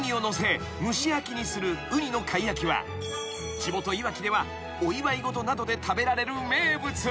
［地元いわきではお祝い事などで食べられる名物］